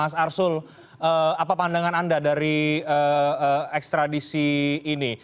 mas arsul apa pandangan anda dari ekstradisi ini